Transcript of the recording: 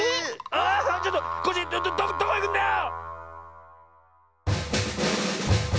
あっちょっとコッシーどこいくんだよ